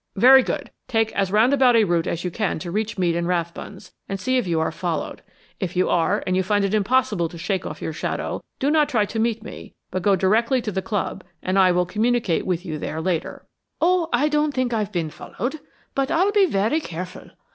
"Very good. Take as round about a route as you can to reach Mead & Rathbun's, and see if you are followed. If you are and you find it impossible to shake off your shadow, do not try to meet me, but go directly to the club and I will communicate with you there later." "Oh, I don't think I've been followed, but I'll be very careful.